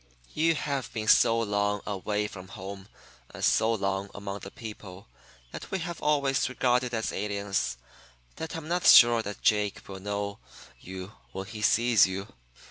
"'You have been so long away from home and so long among the people that we have always regarded as aliens that I'm not sure that Jake will know you when he sees you.